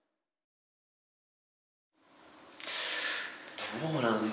どうなんだろう？